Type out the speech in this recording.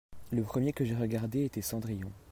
Le premier que j'ai regardé était Cendrillon.